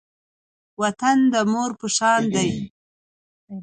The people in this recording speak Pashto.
وطن د مور په شان دی